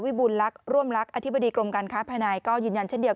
วิบูรณ์รักร่วมรักอธิบดีกรมการค้าภายนายก็ยืนยันเช่นเดียว